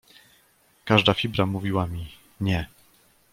"Każda fibra mówiła mi: nie!"